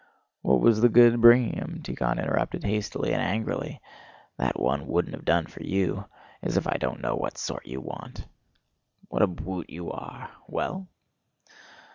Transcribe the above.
"What was the good of bringing him?" Tíkhon interrupted hastily and angrily—"that one wouldn't have done for you. As if I don't know what sort you want!" "What a bwute you are!... Well?"